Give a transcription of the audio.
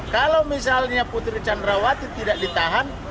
kalau misalnya putri candrawati tidak ditahan